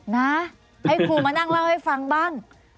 นะให้ครูมานั่งเล่าให้ฟังบ้าง